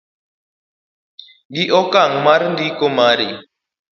gi okang' mar ndiko mari